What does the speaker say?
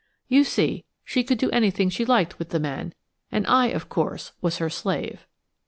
You see, she could do anything she liked with the men, and I, of course, was her slave.